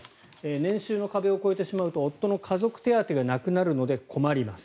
年収の壁を超えてしまうと夫の家族手当がなくなるので困ります。